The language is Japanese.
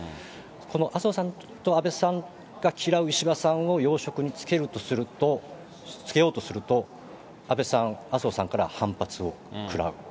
この、麻生さんと安倍さんが嫌う石破さんを要職につけようとすると、安倍さん、麻生さんから反発を食らう。